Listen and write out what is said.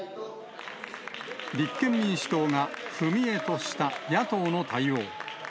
立憲民主党が踏み絵とした、野党の対応。